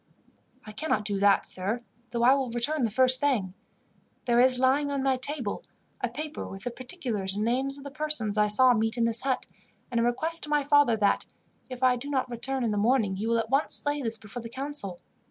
"I cannot do that, sir, though I will return the first thing. There is, lying on my table, a paper with the particulars and names of the persons I saw meet in this hut, and a request to my father that, if I do not return in the morning, he will at once lay this before the council.